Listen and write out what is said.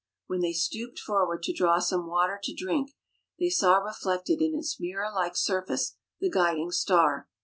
When they stooped forward to draw some water to drink, they saw reflected in its mirror like surface the guiding Star.